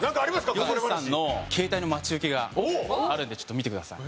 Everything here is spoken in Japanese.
ヨセクさんの携帯の待ち受けがあるんでちょっと見てください。